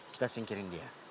kita singkirin dia